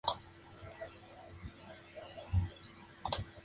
En la actualidad es un destacado jugador Golf amateur.